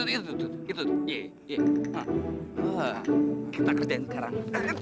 itu itu itu itu ye ye kita kerjain sekarang